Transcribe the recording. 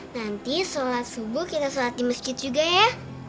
nanti sholat subuh kita sholat di masjid juga ya